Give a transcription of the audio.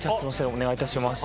お願いいたします。